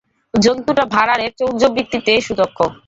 জন্তুটা ভাঁড়ারে চৌর্যবৃত্তিতে সুদক্ষ।